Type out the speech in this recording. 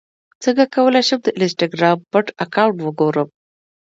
څنګه کولی شم د انسټاګرام پټ اکاونټ وګورم